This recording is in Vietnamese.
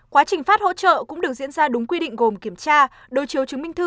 quá trình phát hỗ trợ cũng được diễn ra đúng quy định gồm kiểm tra đối chiếu chứng minh thư